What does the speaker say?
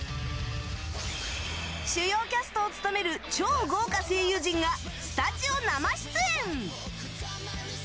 主要キャストを務める超豪華声優陣がスタジオ生出演！